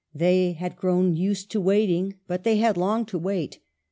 They had grown used to waiting ; but they had long to wait.